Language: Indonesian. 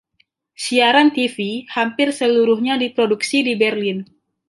Siaran TV hampir seluruhnya diproduksi di Berlin.